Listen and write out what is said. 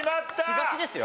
東ですよ。